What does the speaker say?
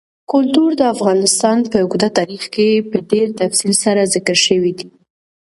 کلتور د افغانستان په اوږده تاریخ کې په ډېر تفصیل سره ذکر شوی دی.